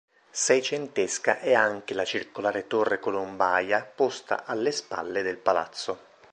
Seicentesca è anche la circolare torre colombaia posta alle spalle del palazzo.